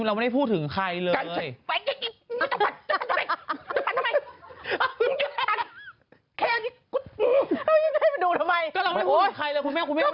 ก็เราไม่ได้พูดถึงใครเลยคุณแม่ใคร